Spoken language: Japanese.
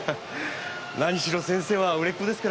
何しろ先生は売れっ子ですから。